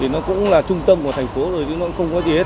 nó cũng là trung tâm của thành phố rồi chứ nó cũng không có gì hết